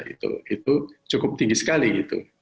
itu cukup tinggi sekali gitu